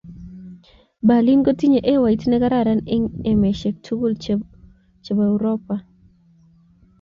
Berlin kotinye ewait ne kararan eng emesheck tugul che bo uropa